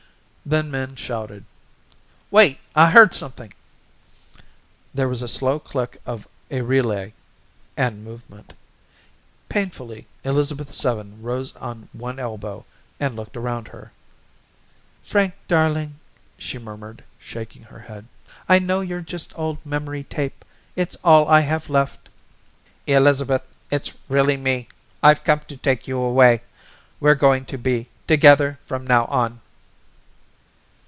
Then Min shouted: "Wait! I heard something!" There was a slow click of a relay and movement. Painfully Elizabeth Seven rose on one elbow and looked around her. "Frank, darling," she murmured, shaking her head. "I know you're just old memory tape. It's all I have left." "Elizabeth, it's really me! I've come to take you away. We're going to be together from now on."